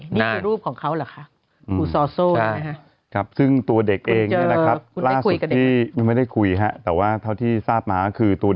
นี่คือรูปของเขาหรือคะ